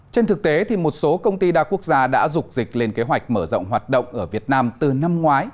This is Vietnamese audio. trên thực tế một số công ty đa quốc gia đã dục dịch lên kế hoạch mở rộng hoạt động ở việt nam từ năm ngoái